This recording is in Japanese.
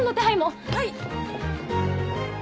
はい。